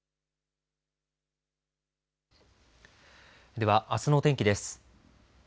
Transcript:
では、あすの天気です。